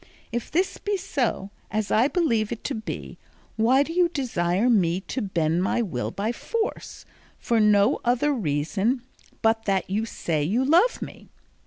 If this be so, as I believe it to be, why do you desire me to bend my will by force, for no other reason but that you say you love me?